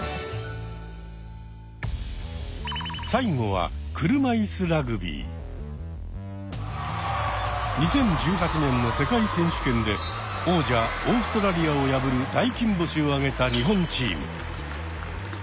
最後は２０１８年の世界選手権で王者オーストラリアを破る大金星を挙げた日本チーム。